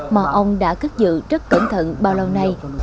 mà ông đã cất dự rất cẩn thận